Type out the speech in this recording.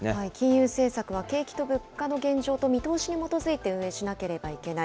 金融政策は景気と物価の現状と見通しに基づいて運営しなければいけない。